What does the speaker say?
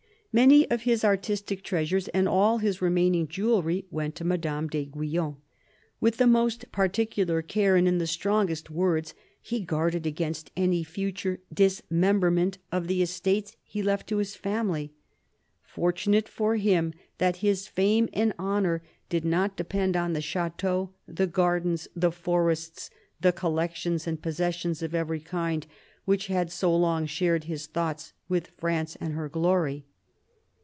Many of his artistic treasures and all his remaining jewellery went to Madame d'Aiguillon. With the most particular care and in the strongest words he guarded against any future dismemberment of the estates he left to his family. Fortunate for him that his fame and honour did not depend on the chateaux, the gardens, the forests, the collections and possessions of every kind which had so long shared his thoughts with France and her glory.